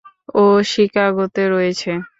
ও শিকাগোতে রয়েছে।